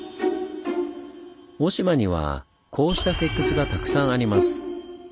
雄島にはこうした石窟がたくさんあります。